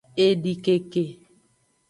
Edikeke.